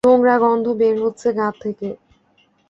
নোংরা গন্ধ বের হচ্ছে গা থেকে!